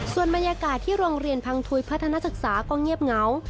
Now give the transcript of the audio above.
ส่วนบรรยากาศที่โรงเรียนพังทุยพัฒนาศึกษาก็เงียบเหงา